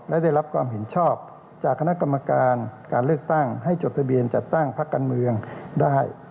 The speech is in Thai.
และได้รับความเห็นชอบจากคณะกรรมการการเลือกตั้งให้จดทะเบียนจัดตั้งพักการเมืองได้